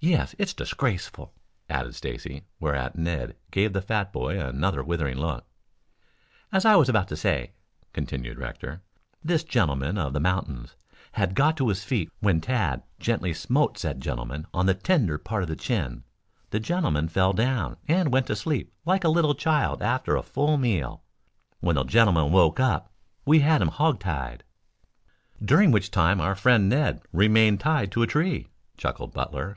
"Yes, it's disgraceful," added Stacy, whereat Ned gave the fat boy another withering look. "As I was about to say," continued Rector, "this gentleman of the mountains had got to his feet when Tad gently smote said gentleman on the tender part of his chin. The gentleman fell down and went to sleep like a little child after a full meal. When the gentleman woke up we had him hog tied " "During which time our friend Ned remained tied to a tree," chuckled Butler.